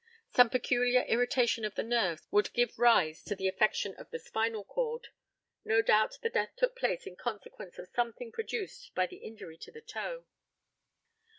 Some peculiar irritation of the nerves would give rise to the affection of the spinal cord. No doubt the death took place in consequence of something produced by the injury to the toe.